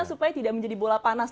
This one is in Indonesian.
supaya tidak menjadi bola panas